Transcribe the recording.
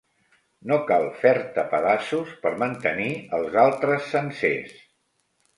No cal fer-te pedaços per mantenir els altres sencers.